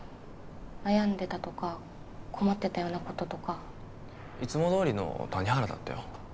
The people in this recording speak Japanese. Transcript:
悩んでたとか困ってたようなこととかいつもどおりの谷原だったよ